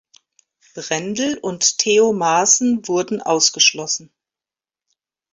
Brendel und Theo Maassen wurden ausgeschlossen.